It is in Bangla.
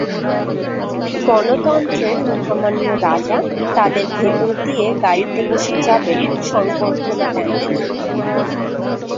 গণতন্ত্রের মহামান্য রাজা তাদের ভেতর দিয়ে গাড়িতে বসে যাবেন সংবর্ধনা প্যান্ডেলে।